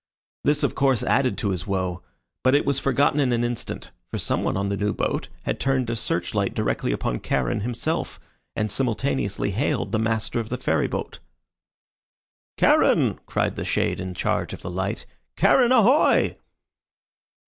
This, of course, added to his woe; but it was forgotten in an instant, for some one on the new boat had turned a search light directly upon Charon himself, and simultaneously hailed the master of the ferry boat. "Charon!" cried the shade in charge of the light. "Charon, ahoy!"